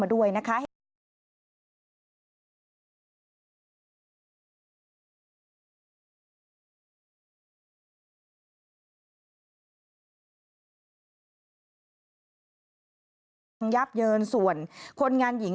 มีเกือบไปชนิดนึงนะครับ